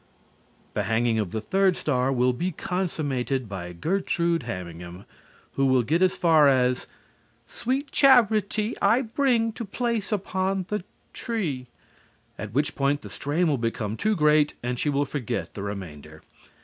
The hanging of the third star will be consummated by Gertrude Hamingham, who will get as far as "Sweet Charity I bring to place upon the tree " at which point the strain will become too great and she will forget the remainder.